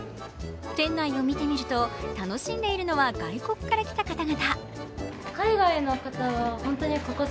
店内を見てみると、楽しんでいるのは外国から来た方々。